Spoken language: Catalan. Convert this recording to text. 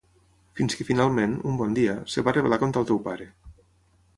Fins que finalment, un bon dia, es va rebel·lar contra el teu pare.